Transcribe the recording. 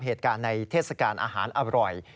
เหตุการณ์ในเทศกาลอาหารอร่อย